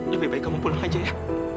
lebih baik kamu pulang aja ya